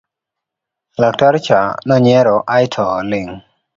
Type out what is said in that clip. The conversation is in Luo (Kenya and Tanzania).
laktar cha nonyiero aeto oling'